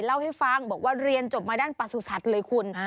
เล่าให้ฟังบอกว่าเรียนจบมาด้านประสุทธิ์เลยคุณ